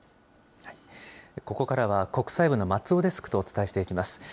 ここからは、国際部の松尾デスクとお伝えしていきます。